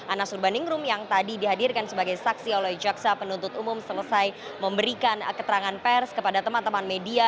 anas urbaningrum yang tadi dihadirkan sebagai saksi oleh jaksa penuntut umum selesai memberikan keterangan pers kepada teman teman media